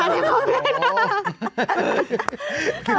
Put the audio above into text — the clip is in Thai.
เนี่ยเขาไม่ได้นะ